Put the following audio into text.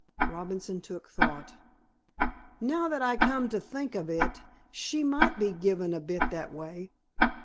Robinson took thought. "Now that I come to think of it, she might be given a bit that way.